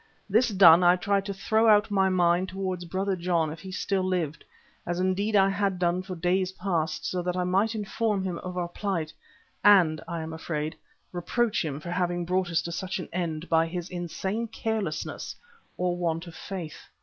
This done, I tried to throw out my mind towards Brother John if he still lived, as indeed I had done for days past, so that I might inform him of our plight and, I am afraid, reproach him for having brought us to such an end by his insane carelessness or want of faith.